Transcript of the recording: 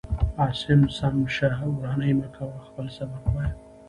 عاصم سم شه وراني من كوه خپل سبق وايا.